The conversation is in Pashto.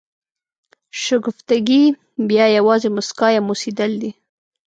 شګفتګي بیا یوازې مسکا یا موسېدل دي.